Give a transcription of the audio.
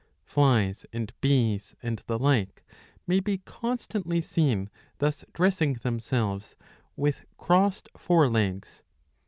Flies and bees and the like may be constantly seen thus dressing themselves with crossed fore legs.